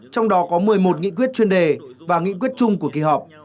trong đó có một mươi một nghị quyết chuyên đề và nghị quyết chung của kỳ họp